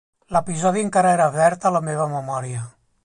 L'episodi encara era verd a la meva memòria.